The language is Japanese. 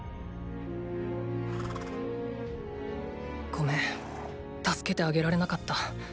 ごめん助けてあげられなかった。